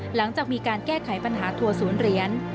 หลังจากมีการแก้ไขปัญหาทัวร์ศูนย์เหรียญ